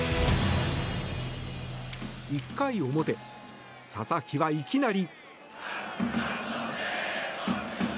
１回表、佐々木はいきなり。